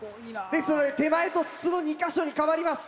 ですので手前と筒の２か所に変わります。